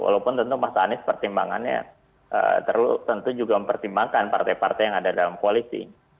walaupun tentu mas anies pertimbangannya tentu juga mempertimbangkan partai partai yang ada dalam koalisi